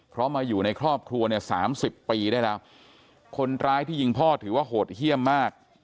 เพราะมาอยู่ในครอบครัวเนี่ยสามสิบปีได้แล้วคนร้ายที่ยิงพ่อถือว่าโหดเยี่ยมมาก